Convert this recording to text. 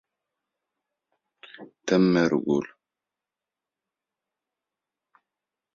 إلى كم تغاريني السيوف ولا أرى